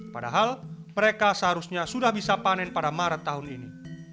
padahal mereka seharusnya sudah bisa panen pada maret tahun ini